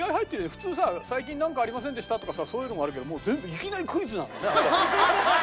普通さ最近なんかありませんでした？とかさそういうのがあるけどいきなりクイズなんだねやっぱり。